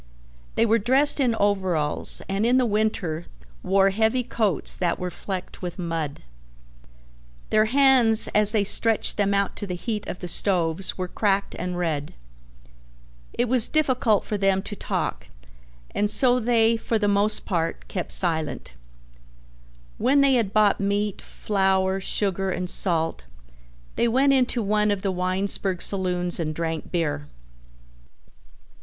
They were dressed in overalls and in the winter wore heavy coats that were flecked with mud. Their hands as they stretched them out to the heat of the stoves were cracked and red. It was difficult for them to talk and so they for the most part kept silent. When they had bought meat, flour, sugar, and salt, they went into one of the Winesburg saloons and drank beer.